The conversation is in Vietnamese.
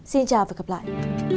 xin chào và hẹn gặp lại